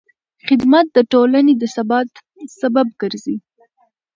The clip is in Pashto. خدمت د ټولنې د ثبات سبب ګرځي.